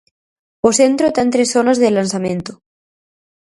O centro ten tres zonas de lanzamento.